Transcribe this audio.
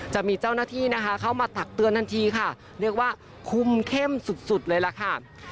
จะมีเจ้าหน้าที่นะคะเข้ามาตักเตือนทันทีค่ะเรียกว่าคุมเข้มสุดสุดเลยล่ะค่ะ